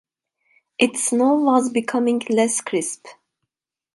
Its snow was becoming less crisp.